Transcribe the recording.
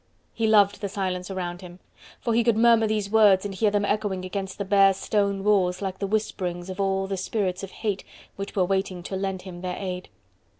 He loved the silence around him, for he could murmur these words and hear them echoing against the bare stone walls like the whisperings of all the spirits of hate which were waiting to lend him their aid.